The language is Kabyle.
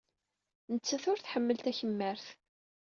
Nettat ur tḥemmel takemmart.